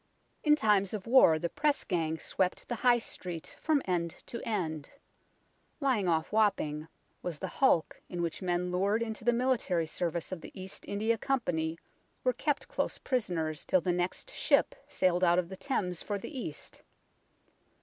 In times of war the Press Gang swept the High Street from end to end. Lying off Wapping was the hulk in which men lured into the military service of the East India Company were kept close prisoners till the next ship sailed out of the Thames for the East.